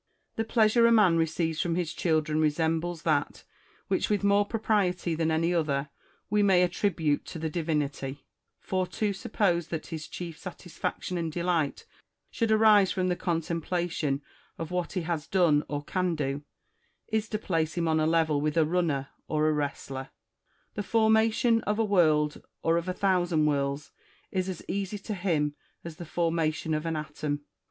The plea sure a man receives from his children resembles that which, with more propriety than any other, we may attribute to the Divinity: for to suppose that his chief satisfaction and ielight should arise from the contemplation of what he has done or can do, is to place him on a level with a runner or a wrestler. The formation of a world, or of a thousand worlds, is as easy to him as the for mation of an atom.